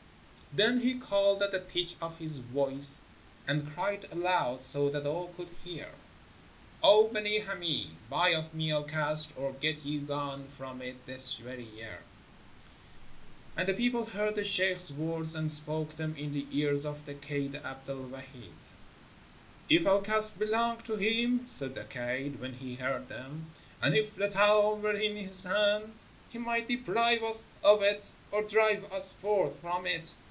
Then he called at the pitch of his voice, and cried aloud so that all could hear: " O Benee Hameed, buy of me Al Kasr — or get you gone from it this very year !" And the people heard the sheikh's words and spoke them in the ears of the Kaid Abd el Wahid. " If Al Kasr belonged to him," said the Kaid when he heard them, "and if the town were in his hand, he might deprive us of it or drive us forth from it.